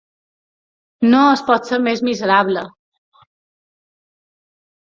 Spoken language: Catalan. No es pot ser més miserable!